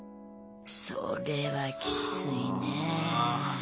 それはきついね。